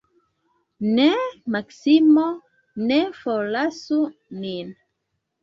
Ne, Maksimo, ne forlasu nin.